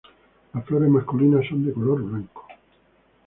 Las flores masculinas son de color blanco.